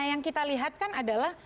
yang kita lihat kan adalah